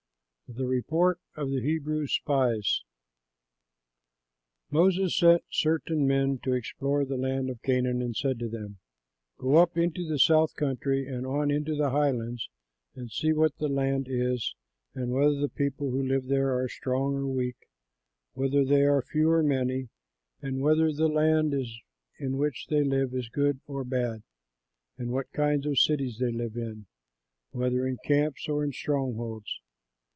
THE REPORT OF THE HEBREW SPIES Moses sent certain men to explore the land of Canaan and said to them, "Go up into the South Country and on into the highlands, and see what the land is and whether the people who live there are strong or weak, whether they are few or many, and whether the land in which they live is good or bad, and what kinds of cities they live in, whether in camps or in strongholds.